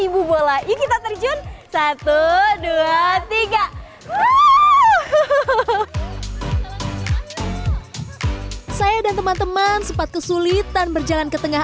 lima ribu bola yuk kita terjun satu ratus dua puluh tiga wuuhh saya dan teman teman sempat kesulitan berjalan ke tengah